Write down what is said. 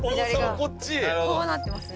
「こうなってますね」